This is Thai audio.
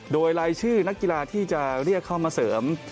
โดยรายชื่อนักกีฬาที่จะเรียกเข้ามาเสริม